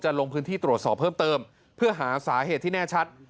ลงพื้นที่ตรวจสอบเพิ่มเติมเพื่อหาสาเหตุที่แน่ชัด